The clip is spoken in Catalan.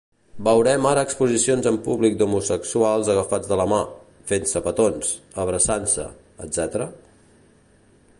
Veurem ara exposicions en públic d'homosexuals agafats de la mà, fent-se petons, abraçant-se, etc?